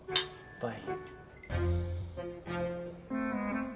はい。